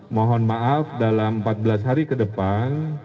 mohon maaf dalam empat belas hari ke depan